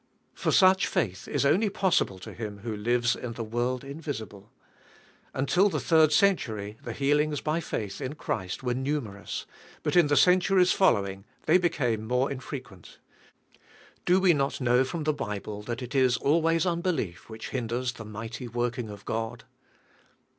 For such faith is only pos sible to him who lives in the world invisi ble. Until the third century the healings by faith in Christ were numerous, but in the centuries following they became more infrequent. Do we not know from the Bi ble that it is always unbelief which hin ders the mighty working of God?